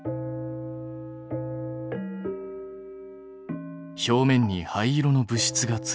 表面に灰色の物質がついた。